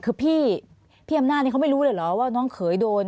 คือพี่อำนาจนี่เขาไม่รู้เลยเหรอว่าน้องเขยโดน